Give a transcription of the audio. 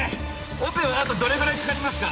オペはあとどれぐらいかかりますか？